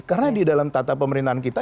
karena di dalam tata pemerintahan kita